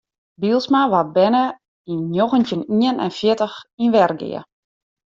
Bylsma waard berne yn njoggentjin ien en fjirtich yn Wergea.